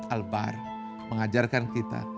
al bahr mengajarkan kita